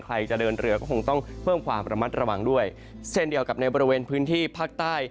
ใครจะเดินเรือก็คงต้องเพิ่มความระมัดระวังด้วยเช่นเดียวกับในบริเวณพื้นที่ภาคใต้